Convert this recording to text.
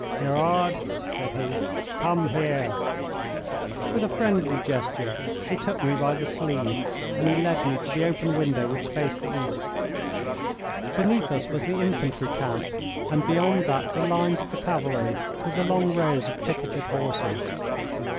"Gerard," said he. "Come here!" With a friendly gesture he took me by the sleeve and he led me to the open window which faced the east. Beneath us was the infantry camp, and beyond that the lines of the cavalry with the long rows of picketed horses.